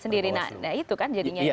sendiri nah itu kan jadinya